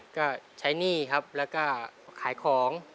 ก็ใช้หนี้ครับแล้วก็ขายของ